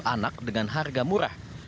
anak dengan harga murah